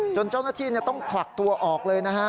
เจ้าหน้าที่ต้องผลักตัวออกเลยนะฮะ